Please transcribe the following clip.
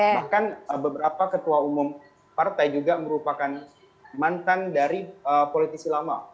bahkan beberapa ketua umum partai juga merupakan mantan dari politisi lama